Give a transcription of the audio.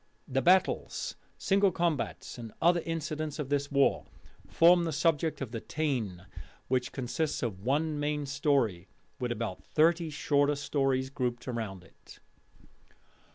The battles, single combats, and other incidents of this war, form the subject of the Táin, which consists of one main story, with about thirty shorter tales grouped round it.